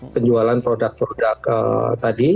penjualan produk produk tadi